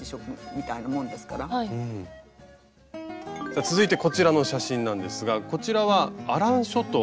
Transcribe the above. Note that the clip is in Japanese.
さあ続いてこちらの写真なんですがこちらはアラン諸島？